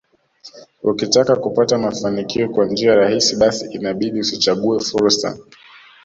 Ukitaka kupata mafanikio kwa njia rahisi basi inabidi usichague fursa